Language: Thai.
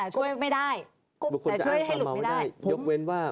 สู้ได้แต่ช่วยไม่ได้